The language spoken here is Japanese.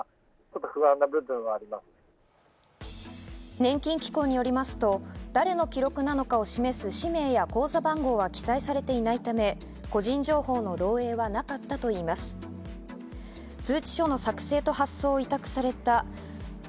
年金機構によりますと誰の記録なのかを示す氏名や口座番号は記載されていないため、個人情報の漏えいはなかったといいます。